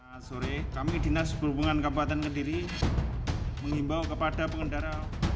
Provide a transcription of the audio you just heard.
pada sore kami dinas berhubungan kekuatan kendiri mengimbau kepada pengendara